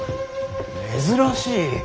珍しい！